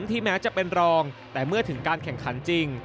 แม้จะเป็นรองแต่เมื่อถึงการแข่งขันจริง